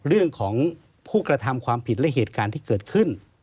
เรื่องของผู้กระทำความผิดและเหตุการณ์ที่เกิดขึ้น